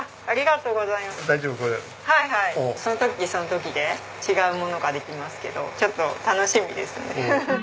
その時その時で違うものができますけどちょっと楽しみですね。